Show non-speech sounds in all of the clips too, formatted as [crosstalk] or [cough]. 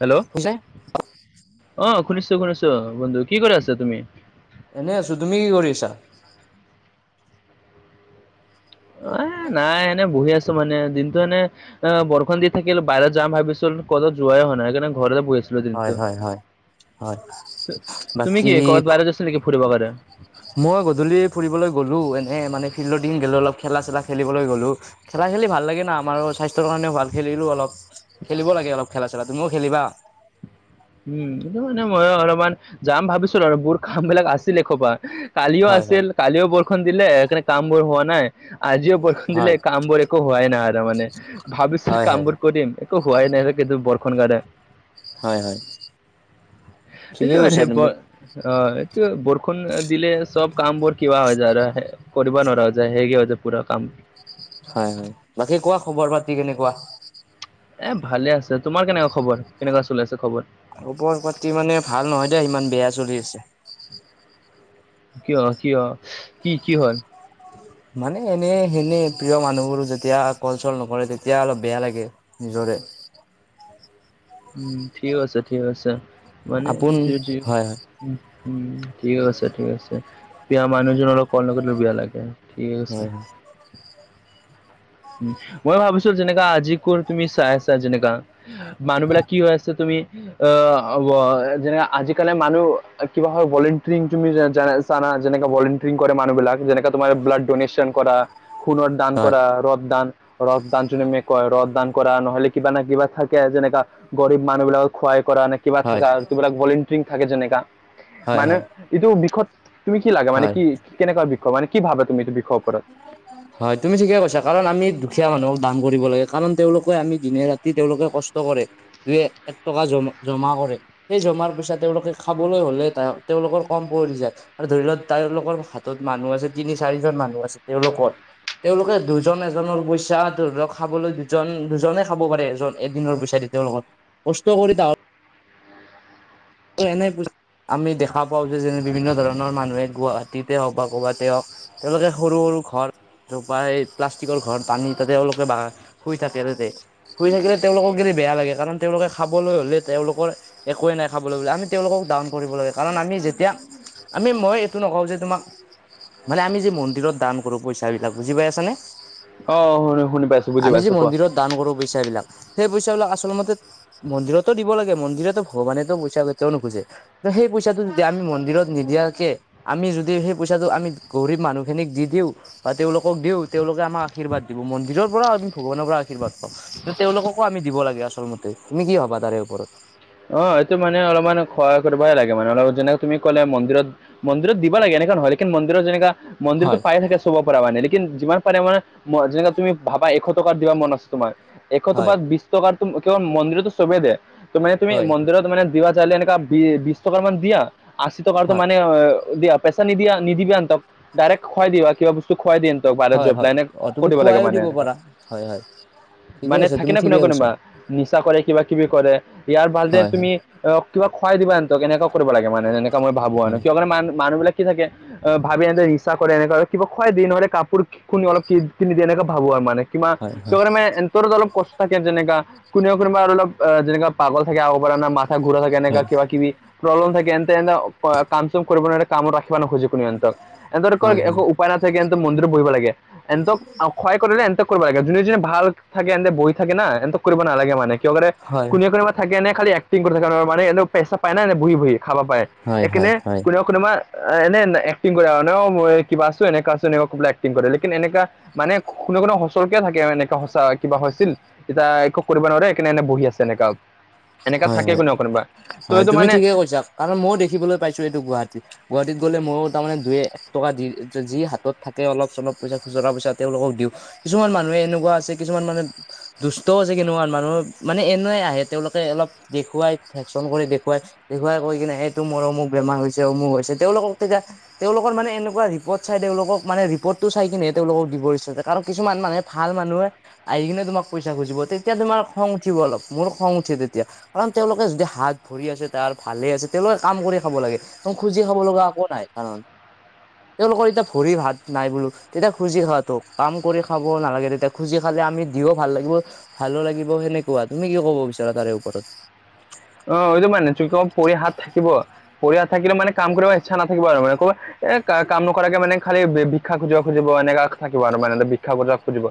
Hello, শুইছে? অহ শুনিছোঁ- শুনিছোঁ বন্ধু কি কৰে আছা তুমি? এনে আছো তুমি কি কৰি আছা? এ নাই এনে বহি আছ ছোঁ মানে দিনটো এনে আহ, বৰষুণ দি থাকিল বাহিৰত যাম ভাবিচুল কত যোৱাই হোৱা নাই সেইকাৰনে ঘৰ [unintelligible] বহি আছোঁ। পুৰা হয় দিনটো হয় হয় হয়, তুমি বাকী কি কবাত বাহিৰত আছা নেকি ফুৰিব কাৰনে? মই গধূলি ফুৰিবলৈ গ'লো এনে মানে ফিল্ডত দেখি গলো অলপ খেলা- চেলা খেলিবলৈ গ'লো। খেলা খেলি ভাল লাগে না আমাৰো স্বাস্থ্যৰ কাৰনেও ভাল খেলিলোঁ অলপ। খেলিব লাগে অলপ খেলা -চেলা তুমিও খেলিবা। উম, এটো মানে মই অলমান যাম ভাবিছিলোঁ আৰু বোৰ কাম বিলাক আছিল একসপা। কালিও হয় হয় আছিল কালিও বৰষুণ দিলে সেইকাৰণে কাম বোৰ হোৱা নাই। আজিও বৰখন হয় দিলে কামবোৰ একো হোৱাই নাই আৰু তাৰমানে আৰু ভাবিছিলোঁ হয় হয় কামবোৰ কৰিম তো হোৱাই নাই এইকেইদিন বৰষুণ কাৰনে। হয় -হয়। ঠিকেই কৈছা তুমি [unintelligible] অ, এইটো বৰষুণ দিলে চব কাম বোৰ কিবা হৈ যায় আৰু হে কৰিব নোৱাৰা হৈ যায় হেৰি হৈ যায় পুৰা কাম। হয়- হয় বাকী কোৱা খবৰ পাতি কেনেকুৱা? এ ভালে আছে তোমাৰ কেনেকা খবৰ কেনেকুৱা চলি আছে খবৰ? খবৰ পাতি মানে ভাল নহয় দিয়া ইমান বেয়া চলি আছে। কিয় -কিয় কি-কি হল? মানে এনে সেনে প্ৰিয় মানুহবোৰো যেতিয়া কল চল নকৰে তেতিয়া অলপ বেয়া লাগে। নিজৰে। উম, ঠিক আছে -ঠিক আছে মানে আপোন [unintelligible] হয় উম- উম ঠিক আছে- ঠিক আছে দিয়া মানুহজনৰ লগত কল নকৰিলেও বেয়া লাগে। ঠিক আছে। হয় মই ভাবিছো যেনেকা আজি ক তুমি চাইছা যেনেকা। মানুহ বিলাক কি হৈ আছে তুমি যেনে আজিকালি মানুহ কিবা হয় ভলেণ্টিয়াৰিং তুমি জানা যেনে ভলণ্টিয়াৰিং কৰে মানুহবিলাক যেনেকা তোমাৰ ব্লাড ডোনেশ্যন কৰা হুণৰ দান হয় কৰা ৰদ দান ৰথদান যদি ম কয় ৰদান কৰা নহলে কিবা ন কিবা থাকে যেনেকা। গৰীব মানুহবিলাকক খুৱাই কৰা এনেক কিবা হয় থাককা আৰু কিবিলাক ভলেণ্টাৰিং থাকে যেনেকা হয় মানে হয় এইটো বিষত তুমি কি লাগা মানে হয় কি কেনেকুৱা বিষ মানে কি ভাবে তুমি এইটো বিষৰ ওপৰত? উম -উম। [unintelligible] হয় তুমি ঠিকে কৈছা। কাৰণ আমি দুখীয়া মানুহক দান কৰিব লাগে কাৰণ তেওঁলোকে আমি দিনে ৰাতি তেওঁলোকে কষ্ট কৰে। দুয়ে এক টকা জমা জমা কৰে। সেই জমাৰ পইচা তেওঁলোকে খাবলৈ হলে তেওঁলোকৰ কম পৰি যায়। আৰু ধৰি লওক তেওঁলোকৰ হাতত মানুহ আছে তিনি চাৰিজন মানুহ আছে তেওঁলোকৰ তেওঁলোকে দুজন এজনৰ পইচা ধৰি লওক খাবলৈ দুজন - দুজনে খাব পাৰে এজন এদিনৰ পইচা দি তেওঁলোকত কষ্ট কৰি ত ত এনে প আমি দেখা পাও, যেনে বিভিন্ন ধৰণৰ মানুহে গুৱাহাটীতে হওক বা ক'ৰবাতে হওক। তেওঁলোকে সৰু- সৰু ঘৰ তপ এই প্লাষ্টিকৰ ঘৰ টানি তাতে তেওঁলোকে শুই থাকে তাতে। শুই থাকিলে তেওঁলোকক গেলে বেয়া লাগে কাৰণ তেওঁলোকে খাবলৈ হলে তেওঁলোকৰ একেই নাই। খাবলৈ আমি তেওঁলোকক দন কৰিব লাগে কাৰণ আমি যেতিয়া আমি মই এইটো নকও যে তোমাক। মানে আমি যে মন্দিৰত দান কৰো পইচাবিলাক বুজি পাই আছানে? অ, শুনো শুনি পাইছো বুজি আমি যে পাইছো ক? মন্দিৰত দান কৰো পইচাাবলাক সেই পইচাাবলাক আচলমতে মন্দিৰতো দিব লাগে মন্দিৰতো ভগৱানে পই পইচা তেওঁ নোখোজে সেই পইচাটো যদি আমি মন্দিৰত নিদিয়াকে আমি যদি সেই পইচাটো আমি গৰীব মানুহখিনিক দি দিও। বা তেওঁলোকক দিও তেওঁলোকে আমাক আশীৰ্বাদ দিব মন্দিৰৰ পৰা আমি ভগৱানৰ পৰা আশীৰ্বাদ পাও। ত তেওঁলোককো আম দিব লাগে আচল মতে। তুমি কি ভাবা তাৰে ওপৰত? অ, সটো মানে অলপমান সহায় কৰিবাই লাগে মানে অলপ যেনেকে তুমি ক'লে মন্দিৰত মন্দিৰত দিব লাগে এনেকুৱা নহয় লকিন মন্দিৰত যেনেককা মন্দিৰতো হয় পাই থাকে। চব পাৰ মানে লেকিন যিমান পাৰে মানে যেনে তুমি ভাবা এশ টকাৰ দিবা মন আছে তোমাৰ। এশত হয় বা ত বিচ টকাৰ কেৱল মন্দিৰতো চভে দিয়ে ত মানে তুমি হয় মন্দিৰত মানে দিয়ালে এনেকা বি বিশ টকাৰ মান দিয়া আশী টকাৰটো হয় মান দিয়া। পেচা নিদিয় নিদিবিনক ডাইৰেক্ত খুৱাই দিবা কিবা বস্তু খুৱাই দি বাহত হয় হয় জবলাইনে অ তুমি কৰিব লাগে খোৱাইও মানে দিব এনো। পাৰা হয় হয় ঠিকে মানে আছে থাকে তুমি ন ঠিকে কোনোবা- কৈছা কোনোবা নিচা কৰে কিবা কিবি কৰে। ইয়াৰ ভাল যে হয় হয় তুমি অ কিবা খুৱাই দানতক কেনেকুৱা কৰিব লাগে মানে এ মই ভাবো ন হয় কিয় মান- মান মানুহ বিলাক থাকে অ ভাবিনেতে নিচা কৰে এনেকুৱ কিবা খুৱাই দিন হলে কাপোৰ শুনি অলপ কি কিনি দিয় এনেকে ভাবো আৰু মানে। কিবা- হয় হয় কিবা এ অলপ কষ্ট থাকে যেনেককা কোবা কোনোবা আৰু অলপ যেনেকা পাগল থাকে। কৰা নাথা ঘূৰা থাক কেনেকা হয় কিবা কিবি। প্ৰব্লেম থাকে এন্তে এনে কাম চম কৰিব নোৱাৰ কামত ৰাখিব ন খোজো এত হয় হয় একো উপায়না থাকে মন্দিৰ বহিব লাগে এন্তক [unintelligible] ক্ষয় কৰিলে এন্তক কৰিব লাগে যোনে যনে ভাল থাকে এন্ততে বহ থাকে ন এনক কৰিব নালাগে মানে। কিয় কৰে হয় কোনে কোবা থাকে খাল এক্টিং কৰি থাকে ন মানেনে পইচা প নাই নে বহি- বহি খাবা পায়। হয় হয় একাৰনে হয় কোনেও কোনোবা এনে এক্টিং কৰে আৰু ন মই কিবা আছো এনেককা আছো এনেকুৱা কবাই এক্টিং কৰে লেকিন এনেকা মানে কোনে কোনো কে থাকে এনেকা কিবা হৈছিল তেতিয়া একো কৰিব নোৱাৰেকাৰনেে এনে বহি আছে এনেককা হয় হয় তো হয় এইটো তুমি মানে ঠিকে কৈছা কাৰণ ময়ো দেখিবলৈ পাইছো এইটো গুৱাহাটীত। গুৱাহাটীত গ'লে ময়ো তাৰমানে দুইয়ে টকা দি যি হাতত থাকে অলপ চলপ পইচা খুচুৰা পইচা তেওঁলোকক দিওঁ। কিছুমান মানুহে এনেকুৱা আছে কিছুমান মানুহ দুষ্টও আছে কিছুমান মানুহ মানে এনেকুৱা আহে তেওঁলোক তাতে অলপ দেখুৱাই ফেকচন কৰি দেখুৱাই। দেখুৱাই কৈ কিনে এইটো মোৰ অমুক বেমাৰ হৈছে অমুক হৈছে তেওঁলোকক তেতিয়া। তেওঁলোকৰ মানে এনেকুৱা ৰিপৰ্ট চাই তেওঁলোকক মানে ৰিপৰ্টটো চাই কিনেহে তেওঁলোকক দিব ইচ্ছা যায় কাৰণ কিছুমান মানুহে ভাল মানুহে আহি কিনে তোমাক পইচা খুজিব তেতিয়া তোমাৰ খং উঠিব অলপ মোৰ খং উঠিব অলপ তেতিয়া কাৰণ তেওঁলোকে যদি হাত ভৰি আছে তাৰ ভালে আছে তেওঁলোকে কাম কৰি খাব লাগে ম খুজি খাব লগা একো নাই কাৰণ তেওঁলোকৰ এতিয়া ভৰি ভাত নাই বোলো তেতিয়া খুজি খোৱাতটো কাম কৰি খাব নালাগে তেতিয়া। খুজি খালে আমি দিও ভাল লাগিব ভালো লাগিব সেনেকুৱা তুমি কি ক'ব বিচাৰা তাৰে ওপৰত। অ এইটো মানে ভৰি হাত থাকিব ভৰি হাত থাকিলে মানে কাম কৰিব ইচ্ছা নথাকিব আৰু মানে কবাত। এ কা কাম নকৰাকে মানে খালি ভিক্ষা খুজিব খুজিব এনেকা থাকিব আৰু মানে বিা খুজাব খুজিব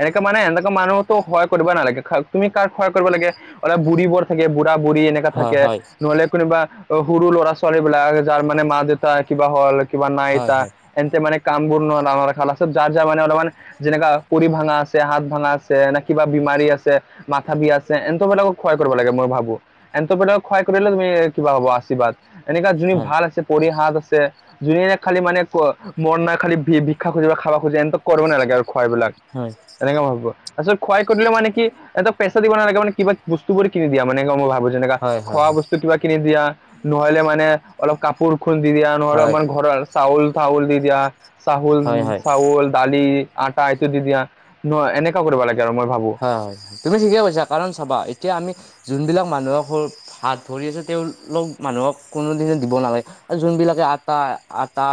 এনেকে মানে এনেকুৱা মানুহতো হয়। কৰিব নালাগে তুমি কাৰ খোৱা কৰিব লাগে অলপ বুঢ়ী বোৰ থাকে বুঢ় বুঢ়ী এনেককা হয় থাকে হয় নহলে কোনোবা সৰু ল'ৰা ছোৱালী বিলাক যাৰ মানে মা দেউতা কিবা হল কিবা নাই হয় তাৰ হয় তেন্তে মানে কামবোৰ [unintelligible] যাৰ যাৰ মানে অলপমান যেনেকা ভৰি ভাঙা আছে হাত ভাঙা আছে নে কিবা বমাৰী আছে। মাথা বি আছে এন্তবিলাকক সহায় কৰিব লাগে মই ভাবো এন্ত বিলাকক সহায় কৰিলে তুমি কিবা হ'ব আশীৰ্বাদ এনেকা হয় ভাল আছে পৰি হাত আছে যোনে ন খালি মানে মন নাই খালি ভিক্ষা খোজি পেলাই খাব খোজে এহেতক কৰিব নালাগে আৰু খোৱা বিলাক। হয় এনেকুৱা ভাবো তাৰ পিছত খুৱাই কৰি পেলাই মানে কি এ পেচা দিব নালাগে মানে কিবা বস্তু বোৰ কিনি দিয়া মানে মই ভাবো যেনেকা হয় হয় খোৱা বস্তু কিবা কিনি দিয়া। নহলে মানে অলপ কাপোৰ খুন্দ দি দিয়া নহলে হয় আমাৰ ঘৰৰ চাউল চাউল দি দিয়া। চাহল হয় হয় চাউল দালি আটা ইটো দি দিয়া ন এনেকুৱা কৰিব লাগে আৰু মই ভাবো। হয় হয় তুমি ঠিকে কৈছা কাৰণ চাবা এতিয়া আমি যোনবিলাক মানুহৰ। হাত ভৰি আছে, তেওঁলোক মানুহক কোনোদিনে দিব নালাগে যোনবিলাকে আটা -আটা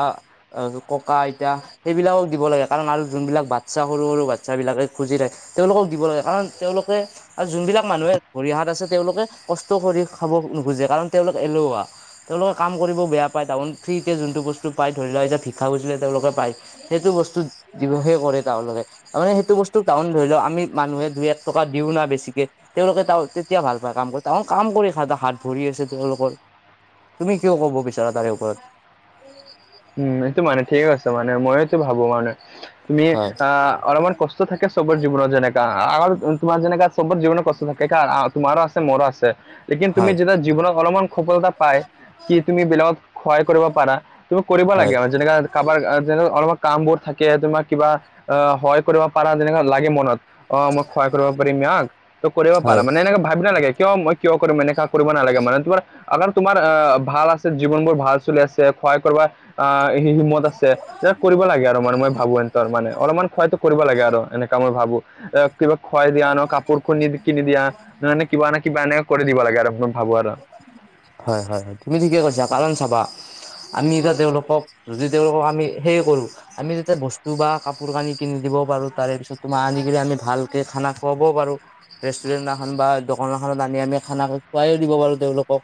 ককা আইতা সেইবিলাকক দিব লাগে কাৰণ আৰু যোনবিলাক বাচ্ছা সৰু সৰু বাচ্ছাব বিলাকে খুজি থাকে তেওঁলোকক দিব লাগে কাৰণ তেওঁলোকে। আৰু যোনবিলাক মানুহে ভৰি হাত আছে তেওঁলোকে কষ্ট কৰি খাব নোখোজে কাৰণ তেওঁলোক এলেহুৱা। তেওঁলোকে কাম কৰিব বেয়া পায়। তাৰ মানে ফ্ৰীতে যোনটো বস্তু পায় ধৰি লোৱা তিয়া ভিক্ষা খুজিলে তেওঁলোকে পায় সেইটো বস্তু দিৱসে কৰে তাৰমানে তাৰমানে সেইটো বস্তু তাউন ধৰি লওক। আমি মানুহে দুই এক টকা দিও না বেছিকে। তেওঁলোকে ত তেতিয়া ভাল পায় কাম কৰি তহত কাম কৰি খা হাত ভৰি আছে তেওঁলোকৰ। তুমি কিয় ক'ব বিচাৰা তাৰে ওপৰত। উম এইটো মানে ঠিক আছে মানে মইতো ভাবো মানে তুমি হয় অলমান কষ্ট থাকে চবৰে জীৱনৰত যেনেকা আম তোমাৰ যেনেকা চবৰ জীৱনৰত কষ্ট থাকে কাৰ তোমাৰো আছে মোৰো আছে। লেকিন তুমি হয় যেতিয়া জীৱনত অলপমান সফলতা পাই কি তুমি বেলেগত সহায় কৰিব পাৰা। কৰিব হয় লাগে আমাৰ যেনেকা কাৰোবাৰ যেনেকুৱা অলপমান কামবোৰ থাকে তোমাক কিবা। অহ সহায় কৰিব পাৰা তেনেকুৱা লাগে মনত। অ' মই সহায় কৰিব পাৰিম ইয়াক কৰিব পাৰা হয় মানে এনেকে ভাল নালাগে কিয় মই কিয় কৰিম এনেকুৱা কৰিব নালাগে মানে তোমাৰ। আগৰ তোমাৰ আহ ভাল আছে জীৱন বোৰ ভাল চলি আছে সহায় কৰিব আহ হিম্মত আছে। এ কৰিব লাগে আৰু মানে মই ভাবো ইহঁতৰ মানে অলপমান সহায়টো কৰিব লাগে আৰু এনেকুৱা মই ভাবো। আহ কিবা খুৱাই দিয়া ন কাপোৰ ক কিনি দিয়া। মানে কিবা নে কিবা এনেকে কৰি দিব লাগে আৰু মই ভাবো আৰু। হয় হয় হয় তুমি ঠিকেই কৈছা, পালন চাবা- আমি এতিয়া তেওঁলোকক যদি তেওঁলোকক আমি সেৰি কৰো। আমি তেতিয়া বস্তু বা কাপোৰ কানি কিনি দিব পাৰো তাৰে পিছত তোমাৰ আনি কিনে আমি ভালকে খানা খুৱাবও পাৰো। ৰেষ্টুৰেণ্ট এখন বা দোকান এখনত আনি আমি খানা খুৱাইও দিব পাৰো তেওঁলোকক।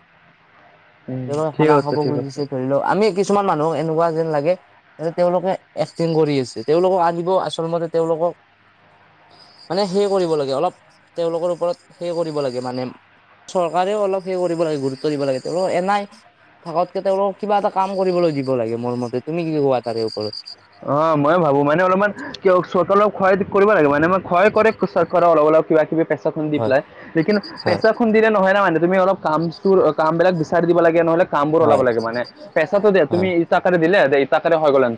উম তেওঁ ঠিক খানা আছে খাব ঠিক আছে খুজিছে ধৰি লওঁক, আমি কিছুমান মানুহ এনেকুৱা যেন লাগে- এ তেওঁলোকে এক্টিং কৰি আছে, তেওঁলোকক আনিব আচল মতে তেওঁলোক- মানে সেই কৰিব লাগে অলপ তেওঁলোকৰ ওপৰত সেই কৰিব লাগে মানে- চৰকাৰেও অলপ সেই কৰিব লাগে, গুৰুত্ব দিব লাগে তেওঁ এনাই- থকাতকে তেওঁলোক কিবা এটা কাম কৰিবলৈ দিব লাগে মোৰ মতে তুমি কি কবা তাৰে ওপৰত। অ মই ভাবো মানে অলপমান- কিয় চৰকাৰে সহায় কৰিব লাগে মানে মই সহায় কৰে চৰকাৰৰ অলপ অলপ কিবা কিবি পেচা- পচা খুন্দি দি হয় পেলাই কিন্তু হয় পেচা খুন্দি দিলে নহয় না মানে তুমি অলপ কাম। কাম বিলাক বিচাৰি দিব লাগে নহলে কামবোৰ ওলাব লাগে মানে। পেচাটো দে তুমি হয় ই তা কাৰণে দিলে দে ই তাকাৰণে হৈ গ'লে ন।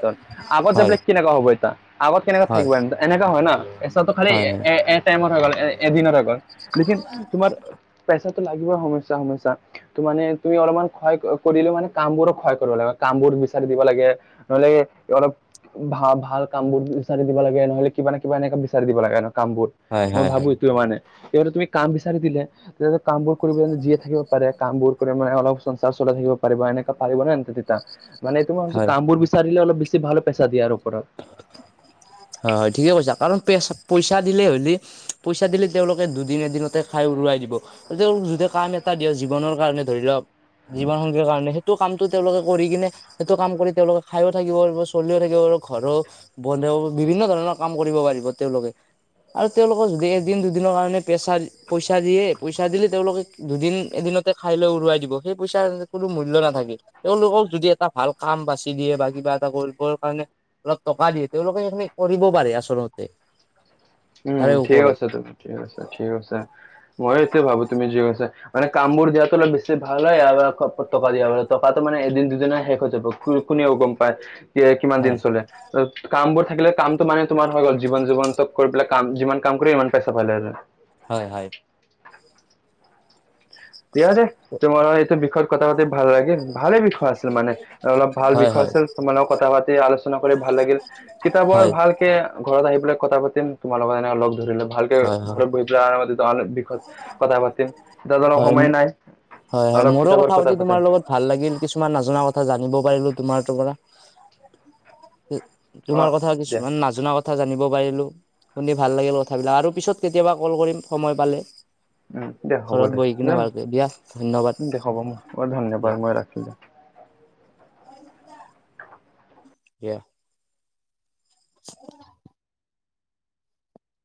আগত যে হয় বোলে কেনেকুৱা হ'ব এতয়া আগত কেনেকুৱা হয় থাকিব এ এনেকুৱা হয় ন খালি- হয় হয় টাইমত হৈ গল এদিনত হৈ গ'ল, লেকিন তোমাৰ পেচাটো লাগিব সমস্যা সমস্যা। ত মানে তুমি অলপমান সহায় কৰিলেও মানে কামবোৰক সহায় কৰিব লাগে, কামবোৰ বিচাৰি দিব লাগে। নহলে অলপ ভাল ভাল কাম বোৰ বিচাৰি দিব লাগে, নহলে কিবা ন কিবা এনেকুৱা বিচাৰি দিব লাগে ন কাম বোৰ। হয় হয় হয় মই ভাবো হয় এইটোৱেই মানে, তুমি কাম বিচাৰি দিলে। তেতিয়া কাম বোৰ কৰিব যিয়ে থাকিব পাৰে কাম বোৰ কৰি মানে অলপ সংসাৰ চলাই থাকিব পাৰিব এনেকুৱা পাৰিব নে- মানে তোমাৰ ভাবিছো হয় কামবোৰ বিচাৰিলে অলপ বেছি ভাল পেচা দিয়াৰ ওপৰত। হয়-হয় ঠিকে কৈছা কাৰণ পে-পইচা দিলে হলি পইচা দিলে তেওঁলোকে দুদিন এদিনতে খাই উৰুৱাই দিব। তেওঁ যেতিয়া কাম এটা দিয়া হয়, জীৱনৰ কাৰণে ধৰি লওক জীৱনসংগীৰ কাৰণে সেইটো কামটো তেওঁলোকে কৰি কিনে- সেইটো কাম কৰি তেওঁলোকে খাইও থাকিব পৰিব চলিও থাকিব আৰু ঘৰও বনেও। বিভিন্ন ধৰণৰ কাম কৰিব পাৰিব তেওঁলোকে। আৰু তেওঁলোকক যদি এদিন দুদিনৰ কাৰণে পেচা পইচা দিয়ে পইচা দিলে তেওঁলোকে দুদিন এদিনত। খাই লৈ উৰুৱাই দিব সেই পইচাৰ কোনো মূল্য নাথাকে। তেওঁলোকক যদি এটা ভাল কাম বাচি দিয়ে বা কিবা এটা কৰিবৰ কাৰণে- অলপ টকা দিয়ে তেওঁলোকে সেইখিনি কৰিব পাৰে আচলতে। উম তাৰে ঠিক ওপৰত আছে ঠিক আছে ঠিক আছে ময়ো সেইটোৱে ভাবো তুমি যি কৈছা। মানে কামবোৰ দিয়াবোৰ অলপ ভাল হয় আৰু টকা দিয়াৰ টকাটো মান এদিন দুদিন শেষ হৈ যাব কোনেও গম পায়। কিমান দিন হয় চলে কাম বোৰ থাকিলে কামটো মানে তোমাৰ হৈ গল জীৱন-জীৱন ক কাম যিমান কৰিম ইমান পইছা পাই যায়। হয়-হয়। দিয়া দে তোমাৰ এইটো বিষয়ত কথা পাতি ভাল লাগে ভালে বিষয় আছে। মানে অলপ ভাল হয় বিষয় হয় আছিল তোমালোকে কথা পাতি আলোচনা কৰি ভাল লাগিল, হয় কিতাপৰ হয় ভাল ঘৰত আহি পেলাই কথা পাতিম তোমাৰ লগত এনে লগ ধৰিলে ভালকে হয় ঘৰত বহি পেলাই আৰামত। দল বিষয়ে কথা পাটিম, দল হয়-হয়-হয় মোৰো কথা পাতি তোমাৰ লগত ভাল লাগিল কিছুমান নজনা কথা জানিব পাৰিলো তোমাৰ তৰ পৰা- অ তোমাৰ কথা দিয়া কিছুমান নাজ জনা কথা জানিব পাৰিলোঁ। শুনি ভাল লাগিল কথাবিলাক আৰু পিছত কেতিয়াবা কল কৰিম সময় পালে। উম, দে হ'ব ঘৰত দে বহি কিনে যাম ভালকে দিয়া ধন্যবাদ দে হ'ব মই ধন্যবাদ দিয়া মই ৰাখিলো দে। [unintelligible] দিয়া। অ [inaudible]